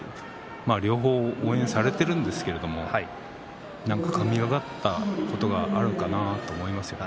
両方応援されているんですけれども何か神がかったことがあるのかなと思いますね。